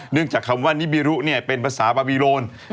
จากคำว่านิบิรุเป็นภาษาบาบีโรน